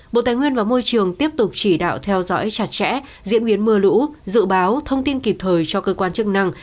bộ tài nguyên và môi trường tiếp tục chỉ đạo theo dõi chặt chẽ diễn biến mưa lũ dự báo thông tin kịp thời cho cơ quan chức năng